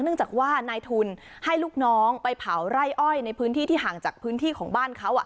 เนื่องจากว่านายทุนให้ลูกน้องไปเผาไร่อ้อยในพื้นที่ที่ห่างจากพื้นที่ของบ้านเขา